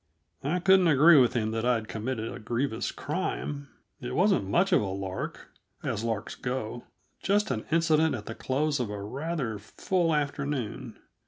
I couldn't agree with him that I'd committed a grievous crime. It wasn't much of a lark, as larks go: just an incident at the close of a rather full afternoon.